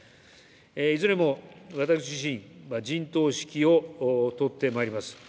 いずれも私自身、陣頭指揮を執ってまいります。